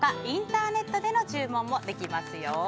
インターネットでの注文もできますよ。